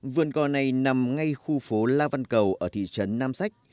vườn cò này nằm ngay khu phố la văn cầu ở thị trấn nam sách